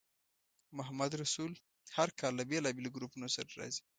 محمدرسول هر کال له بېلابېلو ګروپونو سره راځي.